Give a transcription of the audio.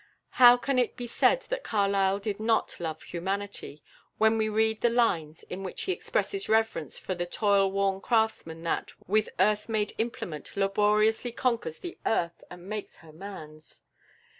How can it be said that Carlyle did not love humanity when we read the lines in which he expresses reverence for the "toilworn Craftsman that, with earth made Implement, laboriously conquers the Earth and makes her man's?"